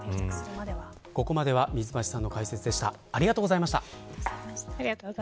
ここまでは水町さんの解説でした。